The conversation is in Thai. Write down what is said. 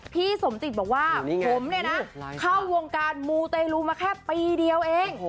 พี่สมจิตบอกว่าเราเข้าวงการหมูเตลูมาแค่ปีเดียว